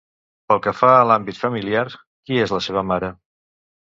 Pel que fa a l'àmbit familiar, qui és la seva mare?